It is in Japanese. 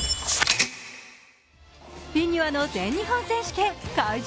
フィギュアの全日本選手権、会場